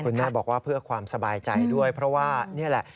คุณแม่บอกว่าเพื่อความสบายใจด้วยเพราะว่านี่แหละ